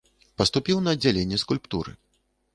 Паступіў на аддзяленне скульптуры.